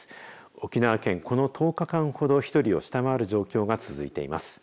沖縄県、この１０日間ほど１人を下回る状況が続いています。